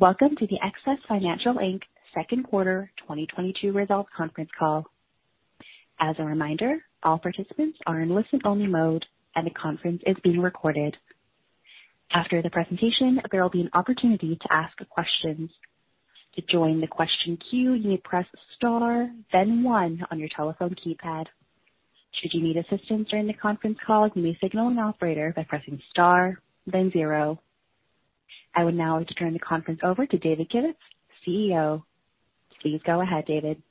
Welcome to the XS Financial Inc. Q2 2022 results conference call. As a reminder, all participants are in listen-only mode, and the conference is being recorded. After the presentation, there will be an opportunity to ask questions. To join the question queue, you may press star then one on your telephone keypad. Should you need assistance during the conference call, you may signal an operator by pressing star then zero. I would now like to turn the conference over to David Kivitz, Chief Executive Officer. Please go ahead, David.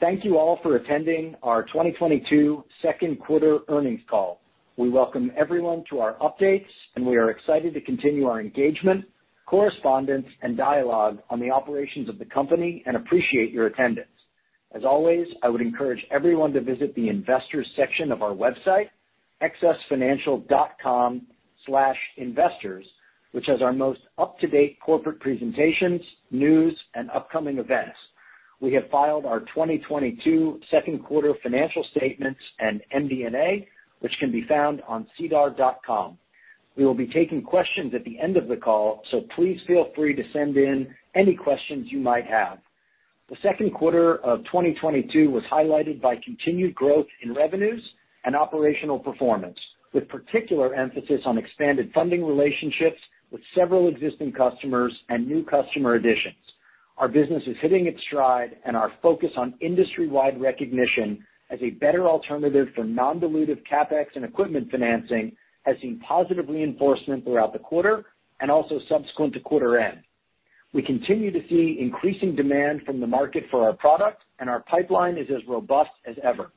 Thank you all for attending our 2022 Q2 earnings call. We welcome everyone to our updates, and we are excited to continue our engagement, correspondence, and dialogue on the operations of the company and appreciate your attendance. As always, I would encourage everyone to visit the investors section of our website, xsfinancial.com/investors, which has our most up-to-date corporate presentations, news, and upcoming events. We have filed our 2022 Q2 financial statements and MD&A, which can be found on SEDAR.com. We will be taking questions at the end of the call, so please feel free to send in any questions you might have. The Q2 of 2022 was highlighted by continued growth in revenues and operational performance, with particular emphasis on expanded funding relationships with several existing customers and new customer additions. Our business is hitting its stride and our focus on industry-wide recognition as a better alternative for non-dilutive CapEx and equipment financing has seen positive reinforcement throughout the quarter and also subsequent to quarter end. We continue to see increasing demand from the market for our product, and our pipeline is as robust as ever.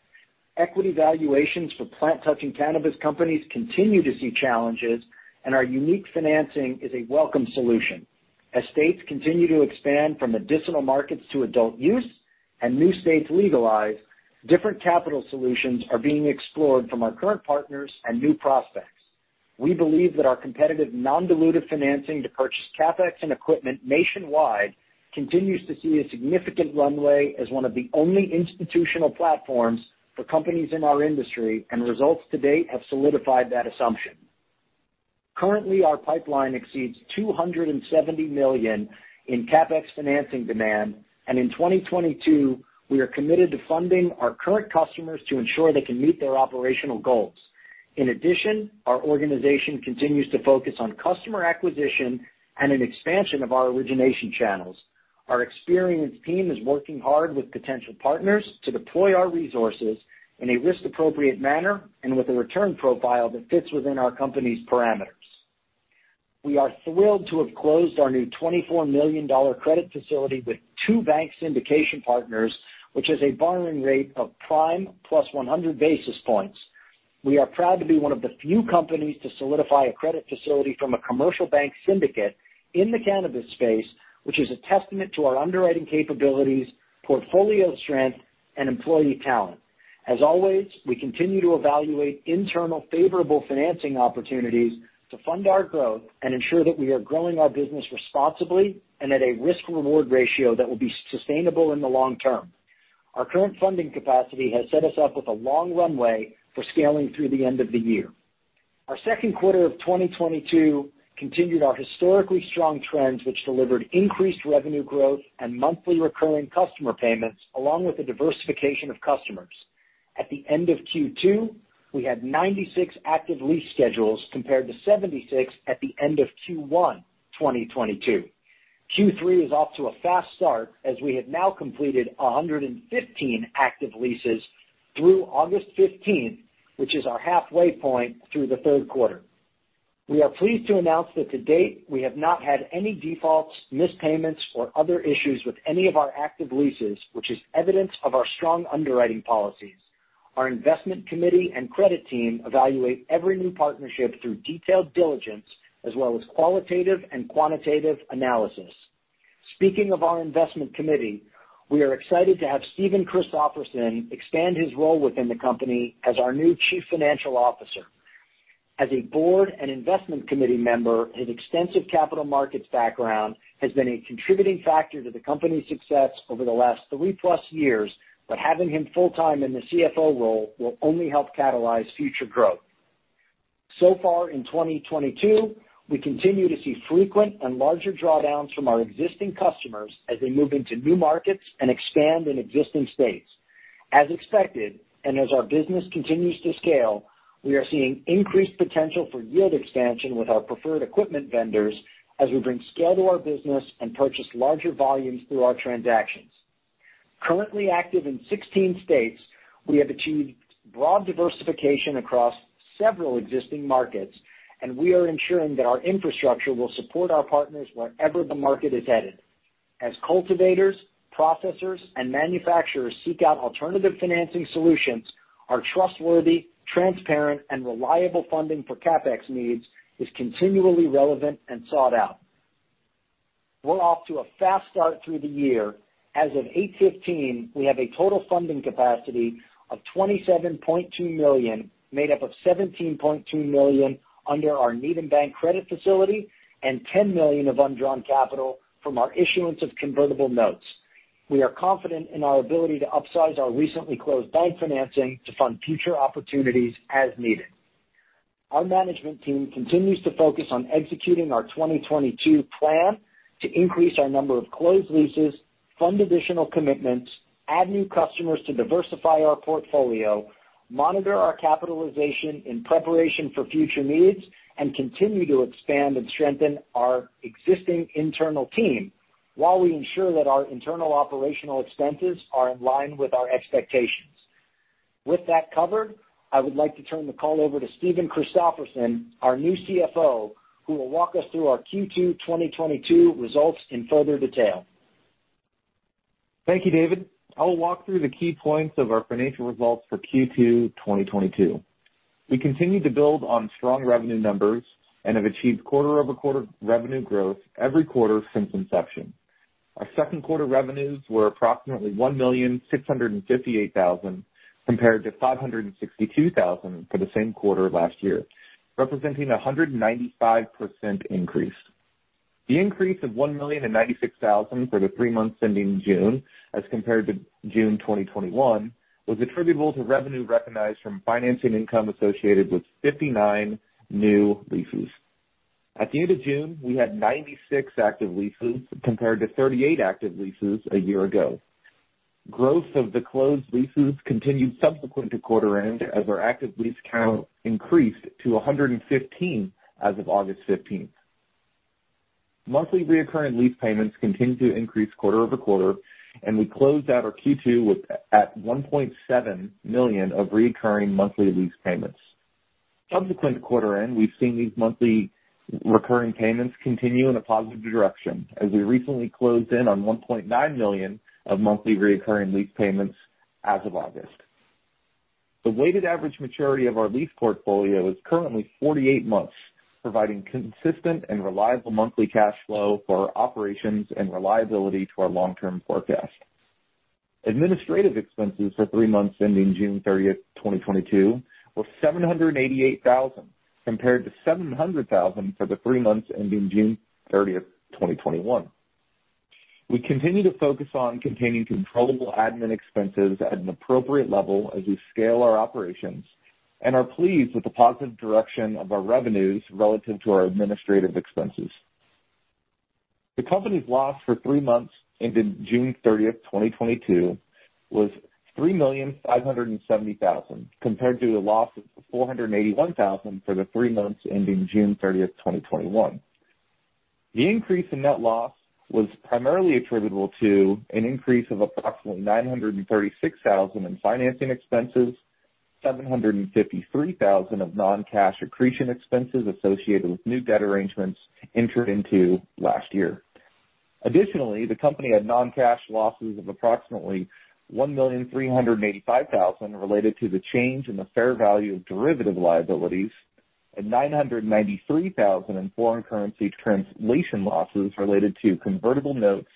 Equity valuations for plant-touching cannabis companies continue to see challenges, and our unique financing is a welcome solution. As states continue to expand from medicinal markets to adult use and new states legalize, different capital solutions are being explored from our current partners and new prospects. We believe that our competitive non-dilutive financing to purchase CapEx and equipment nationwide continues to see a significant runway as one of the only institutional platforms for companies in our industry, and results to date have solidified that assumption. Currently, our pipeline exceeds $270 million in CapEx financing demand, and in 2022, we are committed to funding our current customers to ensure they can meet their operational goals. In addition, our organization continues to focus on customer acquisition and an expansion of our origination channels. Our experienced team is working hard with potential partners to deploy our resources in a risk-appropriate manner and with a return profile that fits within our company's parameters. We are thrilled to have closed our new $24 million credit facility with two bank syndication partners, which is a borrowing rate of prime plus 100 basis points. We are proud to be one of the few companies to solidify a credit facility from a commercial bank syndicate in the cannabis space, which is a testament to our underwriting capabilities, portfolio strength, and employee talent. As always, we continue to evaluate internal favorable financing opportunities to fund our growth and ensure that we are growing our business responsibly and at a risk-reward ratio that will be sustainable in the long term. Our current funding capacity has set us up with a long runway for scaling through the end of the year. Our Q2 of 2022 continued our historically strong trends, which delivered increased revenue growth and monthly recurring customer payments, along with the diversification of customers. At the end of Q2, we had 96 active lease schedules compared to 76 at the end of Q1 2022. Q3 is off to a fast start as we have now completed 115 active leases through August fifteenth, which is our halfway point through the Q3. We are pleased to announce that to date, we have not had any defaults, missed payments, or other issues with any of our active leases, which is evidence of our strong underwriting policies. Our investment committee and credit team evaluate every new partnership through detailed diligence as well as qualitative and quantitative analysis. Speaking of our investment committee, we are excited to have Stephen Christoffersen expand his role within the company as our new Chief Financial Officer. As a board and investment committee member, his extensive capital markets background has been a contributing factor to the company's success over the last three-plus years, but having him full-time in the Chief Financial Officer role will only help catalyze future growth. So far in 2022, we continue to see frequent and larger drawdowns from our existing customers as they move into new markets and expand in existing states. As expected, and as our business continues to scale, we are seeing increased potential for yield expansion with our preferred equipment vendors as we bring scale to our business and purchase larger volumes through our transactions. Currently active in 16 states, we have achieved broad diversification across several existing markets, and we are ensuring that our infrastructure will support our partners wherever the market is headed. As cultivators, processors, and manufacturers seek out alternative financing solutions, our trustworthy, transparent, and reliable funding for CapEx needs is continually relevant and sought out. We're off to a fast start through the year. As of 8/15, we have a total funding capacity of $27.2 million, made up of $17.2 million under our Needham Bank credit facility and $10 million of undrawn capital from our issuance of convertible notes. We are confident in our ability to upsize our recently closed bank financing to fund future opportunities as needed. Our management team continues to focus on executing our 2022 plan to increase our number of closed leases, fund additional commitments, add new customers to diversify our portfolio, monitor our capitalization in preparation for future needs, and continue to expand and strengthen our existing internal team while we ensure that our internal operational expenses are in line with our expectations. With that covered, I would like to turn the call over to Stephen Christoffersen, our new Chief Financial Officer, who will walk us through our Q2 2022 results in further detail. Thank you, David. I will walk through the key points of our financial results for Q2 2022. We continue to build on strong revenue numbers and have achieved quarter-over-quarter revenue growth every quarter since inception. Our Q2 revenues were approximately $1,658,000, compared to $562,000 for the same quarter last year, representing a 195% increase. The increase of $1,096,000 for the three months ending June, as compared to June 2021, was attributable to revenue recognized from financing income associated with 59 new leases. At the end of June, we had 96 active leases, compared to 38 active leases a year ago. Growth of the closed leases continued subsequent to quarter end as our active lease count increased to 115 as of August fifteenth. Monthly recurring lease payments continue to increase quarter-over-quarter, and we closed out our Q2 with $1.7 million of recurring monthly lease payments. Subsequent to quarter end, we've seen these monthly recurring payments continue in a positive direction as we recently closed in on $1.9 million of monthly recurring lease payments as of August. The weighted average maturity of our lease portfolio is currently 48 months, providing consistent and reliable monthly cash flow for our operations and reliability to our long-term forecast. Administrative expenses for three months ending June 30, 2022 were $788,000, compared to $700,000 for the three months ending June 30, 2021. We continue to focus on containing controllable admin expenses at an appropriate level as we scale our operations and are pleased with the positive direction of our revenues relative to our administrative expenses. The company's loss for three months ended June 30, 2022 was $3.57 million, compared to a loss of $481 thousand for the three months ending June 30, 2021. The increase in net loss was primarily attributable to an increase of approximately $936 thousand in financing expenses, $753 thousand of non-cash accretion expenses associated with new debt arrangements entered into last year. Additionally, the company had non-cash losses of approximately $1,385,000 related to the change in the fair value of derivative liabilities and $993,000 in foreign currency translation losses related to convertible notes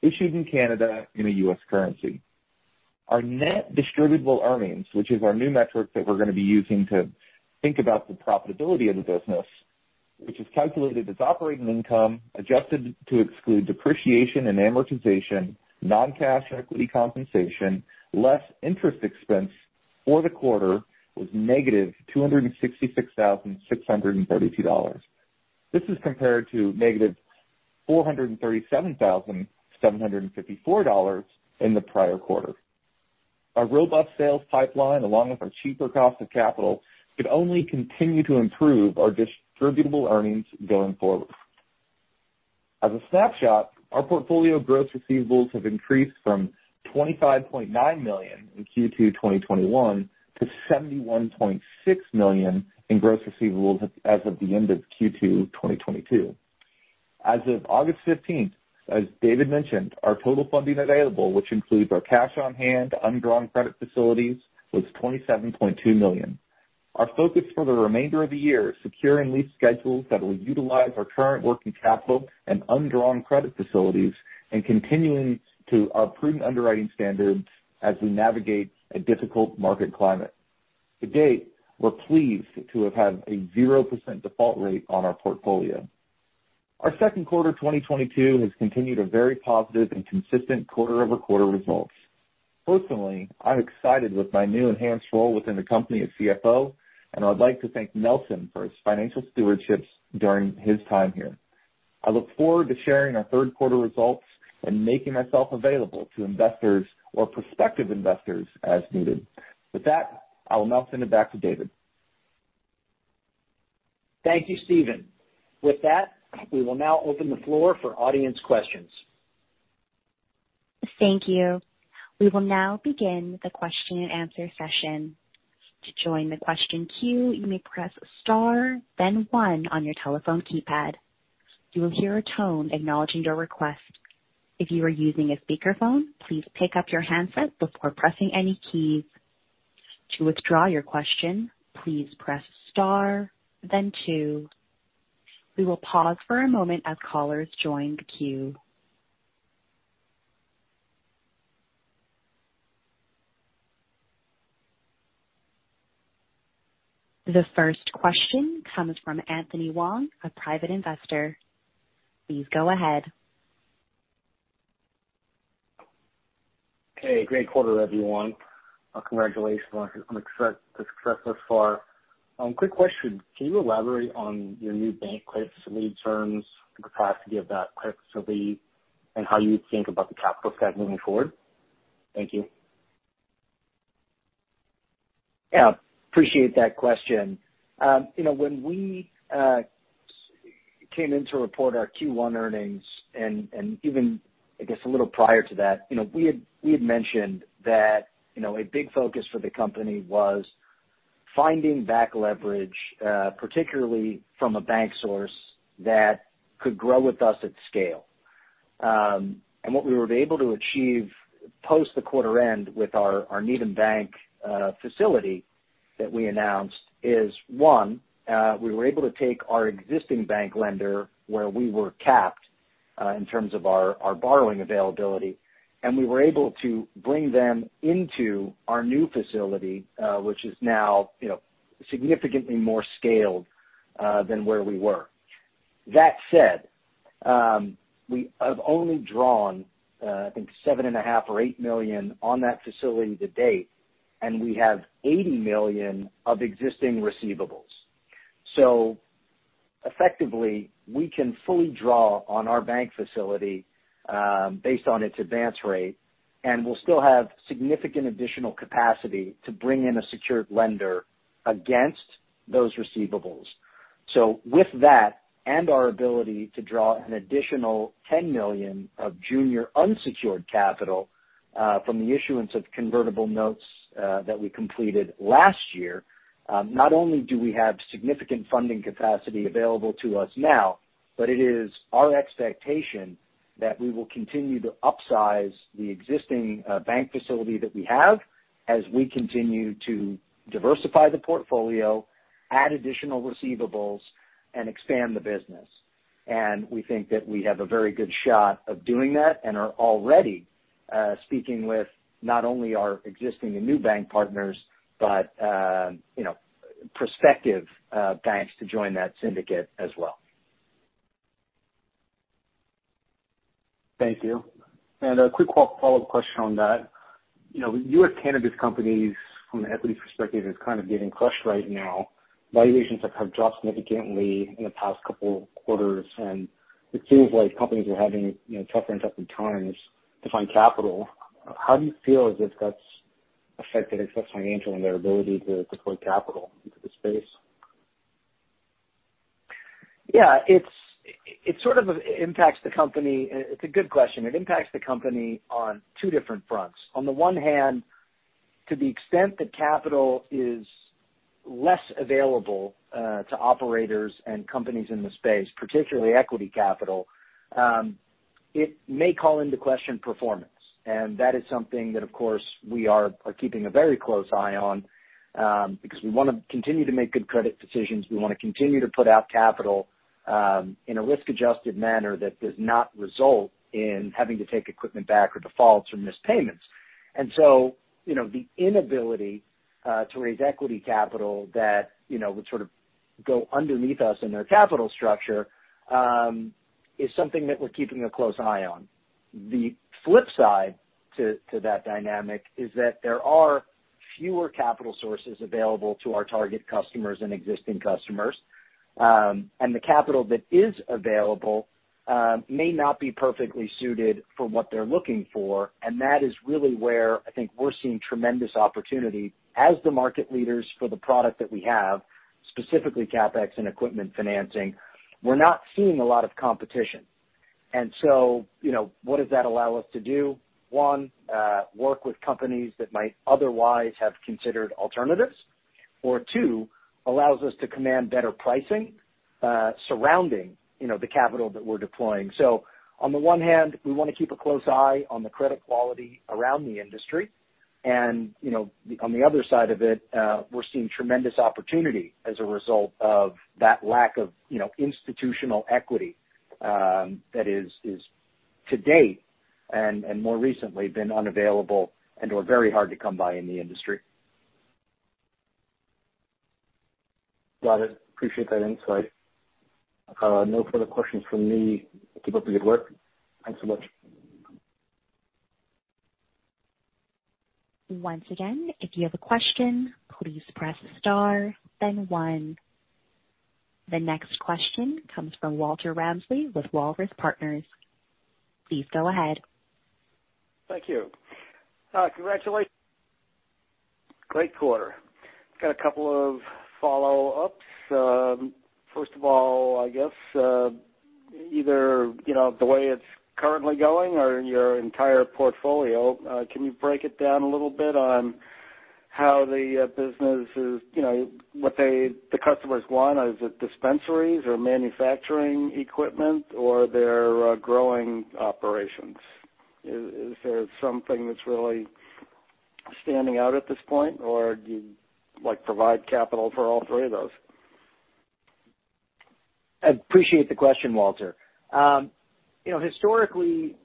issued in Canada in a U.S. currency. Our net distributable earnings, which is our new metric that we're gonna be using to think about the profitability of the business, which is calculated as operating income, adjusted to exclude depreciation and amortization, non-cash equity compensation, less interest expense for the quarter, was -$266,632. This is compared to -$437,754 in the prior quarter. Our robust sales pipeline, along with our cheaper cost of capital, could only continue to improve our distributable earnings going forward. As a snapshot, our portfolio gross receivables have increased from $25.9 million in Q2 2021 to $71.6 million in gross receivables as of the end of Q2 2022. As of August 15, as David mentioned, our total funding available, which includes our cash on hand, undrawn credit facilities, was $27.2 million. Our focus for the remainder of the year is securing lease schedules that will utilize our current working capital and undrawn credit facilities and continuing to our prudent underwriting standards as we navigate a difficult market climate. To date, we're pleased to have had a 0% default rate on our portfolio. Our Q2 2022 has continued a very positive and consistent quarter-over-quarter results. Personally, I'm excited with my new enhanced role within the company as Chief Financial Officer, and I'd like to thank Nelson for his financial stewardships during his time here. I look forward to sharing our Q3 results and making myself available to investors or prospective investors as needed. With that, I will now send it back to David. Thank you, Stephen. With that, we will now open the floor for audience questions. Thank you. We will now begin the Q&A session. To join the question queue, you may press star then one on your telephone keypad. You will hear a tone acknowledging your request. If you are using a speakerphone, please pick up your handset before pressing any keys. To withdraw your question, please press star then two. We will pause for a moment as callers join the queue. The first question comes from Anthony Wong, a private investor. Please go ahead. Hey, great quarter everyone. Congratulations on the success thus far. Quick question, can you elaborate on your new bank line and loan terms and capacity of that line and how you think about the capital stack moving forward? Thank you. Yeah, appreciate that question. You know, when we came in to report our Q1 earnings, and even I guess a little prior to that, you know, we had mentioned that, you know, a big focus for the company was finding bank leverage, particularly from a bank source that could grow with us at scale. What we were able to achieve post the quarter end with our Needham Bank facility that we announced is, one, we were able to take our existing bank lender where we were capped in terms of our borrowing availability, and we were able to bring them into our new facility, which is now, you know, significantly more scaled than where we were. That said, we have only drawn, I think $7.5 million or $8 million on that facility to date, and we have $80 million of existing receivables. Effectively, we can fully draw on our bank facility, based on its advance rate, and we'll still have significant additional capacity to bring in a secured lender against those receivables. With that and our ability to draw an additional $10 million of junior unsecured capital, from the issuance of convertible notes, that we completed last year, not only do we have significant funding capacity available to us now, but it is our expectation that we will continue to upsize the existing bank facility that we have as we continue to diversify the portfolio, add additional receivables and expand the business. We think that we have a very good shot of doing that and are already speaking with not only our existing and new bank partners but, you know, prospective banks to join that syndicate as well. Thank you. A quick follow-up question on that. You know, U.S. cannabis companies from an equity perspective is kind of getting crushed right now. Valuations have dropped significantly in the past couple quarters, and it seems like companies are having, you know, tougher and tougher times to find capital. How do you feel as if that's affected XS Financial and their ability to deploy capital into the space? Yeah. It sort of impacts the company. It's a good question. It impacts the company on two different fronts. On the one hand, to the extent that capital is less available to operators and companies in the space, particularly equity capital, it may call into question performance. That is something that of course we are keeping a very close eye on because we wanna continue to make good credit decisions. We wanna continue to put out capital in a risk-adjusted manner that does not result in having to take equipment back or defaults or missed payments. You know, the inability to raise equity capital that, you know, would sort of go underneath us in our capital structure is something that we're keeping a close eye on. The flip side to that dynamic is that there are fewer capital sources available to our target customers and existing customers. The capital that is available may not be perfectly suited for what they're looking for, and that is really where I think we're seeing tremendous opportunity as the market leaders for the product that we have, specifically CapEx and equipment financing. We're not seeing a lot of competition. You know, what does that allow us to do? One, work with companies that might otherwise have considered alternatives. Two, allows us to command better pricing surrounding, you know, the capital that we're deploying. On the one hand, we wanna keep a close eye on the credit quality around the industry. You know, on the other side of it, we're seeing tremendous opportunity as a result of that lack of, you know, institutional equity, that is to date and more recently been unavailable and/or very hard to come by in the industry. Got it. Appreciate that insight. No further questions from me. Keep up the good work. Thanks so much. Once again, if you have a question, please press star then one. The next question comes from Walter Ramsley with Walrus Partners. Please go ahead. Thank you. Congratulations. Great quarter. Got a couple of follow-ups. First of all, I guess, either, you know, the way it's currently going or in your entire portfolio, can you break it down a little bit on how the business is, you know, what they, the customers want? Is it dispensaries or manufacturing equipment or their growing operations? Is there something that's really standing out at this point or do you like provide capital for all three of those? I appreciate the question, Walter. You know, historically,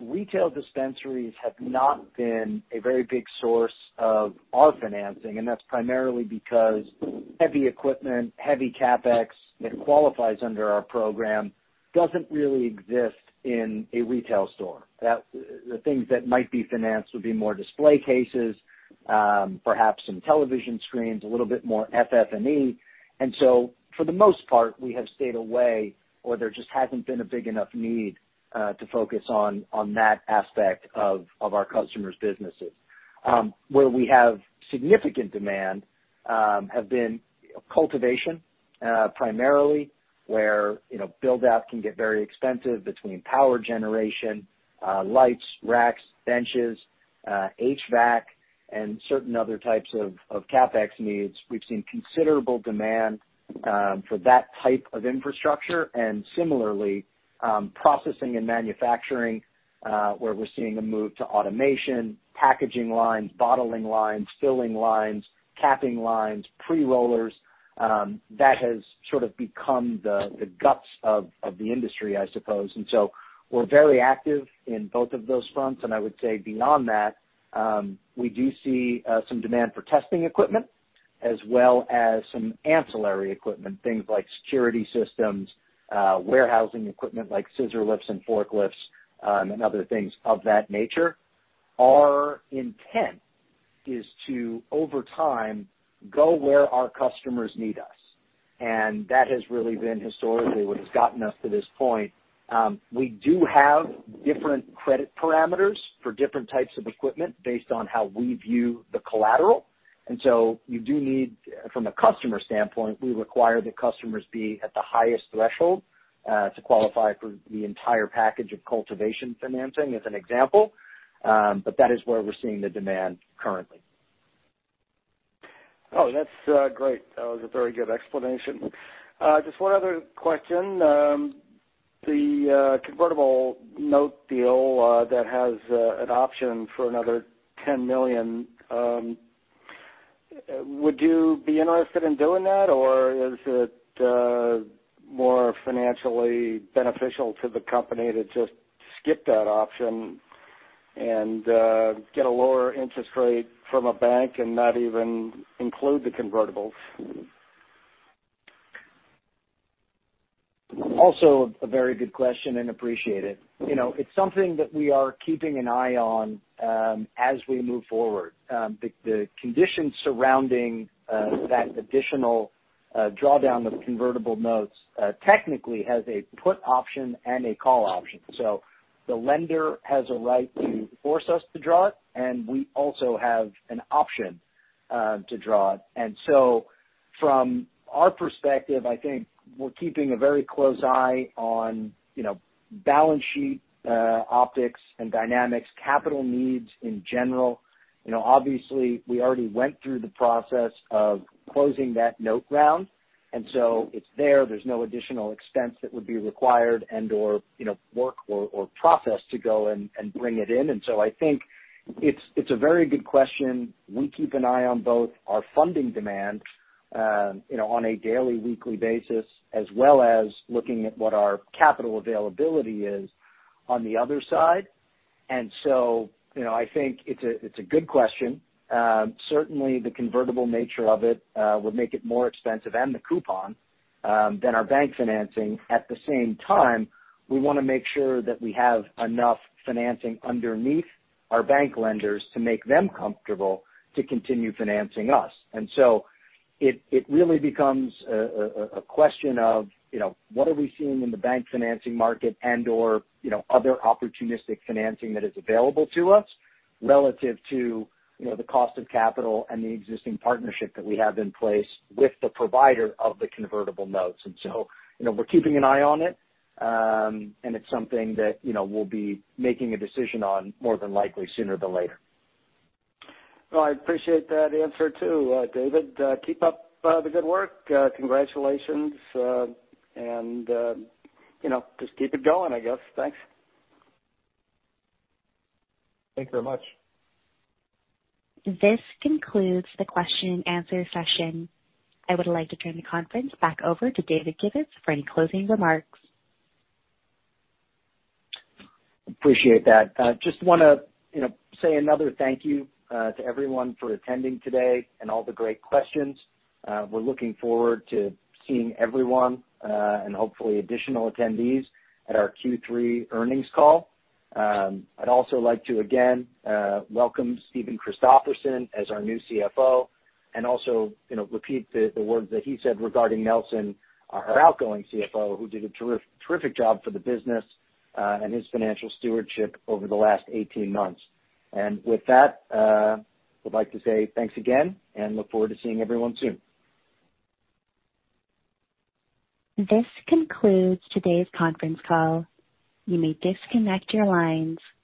retail dispensaries have not been a very big source of our financing, and that's primarily because heavy equipment, heavy CapEx that qualifies under our program doesn't really exist in a retail store. The things that might be financed would be more display cases, perhaps some television screens, a little bit more FF&E. For the most part, we have stayed away or there just hasn't been a big enough need to focus on that aspect of our customers' businesses. Where we have significant demand have been cultivation, primarily where, you know, build out can get very expensive between power generation, lights, racks, benches, HVAC and certain other types of CapEx needs. We've seen considerable demand for that type of infrastructure and similarly, processing and manufacturing, where we're seeing a move to automation, packaging lines, bottling lines, filling lines, capping lines, pre-rollers, that has sort of become the guts of the industry, I suppose. We're very active in both of those fronts. I would say beyond that, we do see some demand for testing equipment as well as some ancillary equipment, things like security systems, warehousing equipment like scissor lifts and forklifts, and other things of that nature. Our intent is to, over time, go where our customers need us, and that has really been historically what has gotten us to this point. We do have different credit parameters for different types of equipment based on how we view the collateral. You do need, from a customer standpoint, we require that customers be at the highest threshold, to qualify for the entire package of cultivation financing, as an example. But that is where we're seeing the demand currently. Oh, that's great. That was a very good explanation. Just one other question. The convertible note deal that has an option for another $10 million, would you be interested in doing that or is it more financially beneficial to the company to just skip that option and get a lower interest rate from a bank and not even include the convertibles? Also, a very good question and appreciate it. You know, it's something that we are keeping an eye on as we move forward. The conditions surrounding that additional drawdown of convertible notes technically has a put option and a call option. The lender has a right to force us to draw it, and we also have an option to draw it. From our perspective, I think we're keeping a very close eye on, you know, balance sheet optics and dynamics, capital needs in general. You know, obviously we already went through the process of closing that note round, it's there. There's no additional expense that would be required and/or, you know, work or process to go and bring it in. I think it's a very good question. We keep an eye on both our funding demand, you know, on a daily, weekly basis, as well as looking at what our capital availability is on the other side. You know, I think it's a good question. Certainly the convertible nature of it would make it more expensive and the coupon than our bank financing. At the same time, we wanna make sure that we have enough financing underneath our bank lenders to make them comfortable to continue financing us. It really becomes a question of, you know, what are we seeing in the bank financing market and/or, you know, other opportunistic financing that is available to us relative to, you know, the cost of capital and the existing partnership that we have in place with the provider of the convertible notes. You know, we're keeping an eye on it, and it's something that, you know, we'll be making a decision on more than likely sooner than later. Well, I appreciate that answer too, David. Keep up the good work. Congratulations, and you know, just keep it going, I guess. Thanks. Thank you very much. This concludes the Q&A session. I would like to turn the conference back over to David Kivitz for any closing remarks. Appreciate that. Just wanna, you know, say another thank you to everyone for attending today and all the great questions. We're looking forward to seeing everyone and hopefully additional attendees at our Q3 earnings call. I'd also like to again welcome Stephen Christoffersen as our new Chief Financial Officer and also, you know, repeat the words that he said regarding Nelson, our outgoing Chief Financial Officer, who did a terrific job for the business and his financial stewardship over the last 18 months. With that, I would like to say thanks again and look forward to seeing everyone soon. This concludes today's conference call. You may disconnect your lines. Thank you.